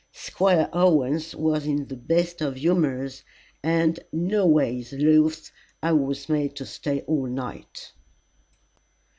Squire Owens was in the best of humours, and, no ways loth, I was made to stay all night.